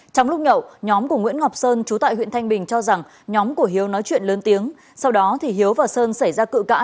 trong lúc nhậu nhóm của nguyễn ngọc sơn trú tại huyện thanh bình cho rằng nhóm của hiếu nói chuyện lớn tiếng